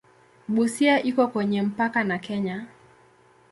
Busia iko kwenye mpaka na Kenya.